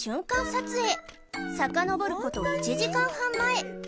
撮影さかのぼること１時間半前